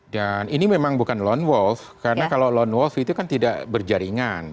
dan ini memang bukan non wolf karena kalau non wolf itu kan tidak berjaringan